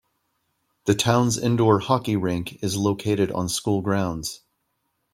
The town's indoor hockey rink is located on school grounds.